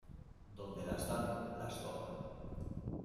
Donde las dan las toman.